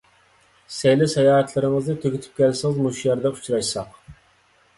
سەيلە - ساياھەتلىرىڭىزنى تۈگىتىپ كەلسىڭىز، مۇشۇ يەردە ئۇچراشساق.